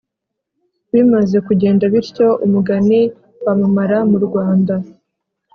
Bimaze kugenda bityo umugani wamamara mu Rwanda